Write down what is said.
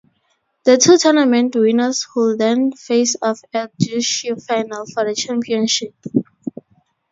The two tournament winners would then face off at "Juicio Final" for the championship.